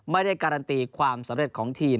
ไม่ได้การันตีความสำเร็จของทีม